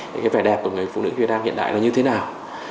cái vẻ đẹp của người phụ nữ việt nam hiện đại là như thế nào